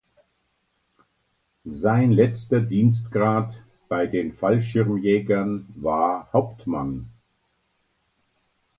Sein letzter Dienstgrad bei den Fallschirmjägern war Hauptmann.